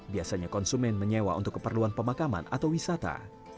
biasanya konsumen menyewa untuk keperluan pemakaman atau wisata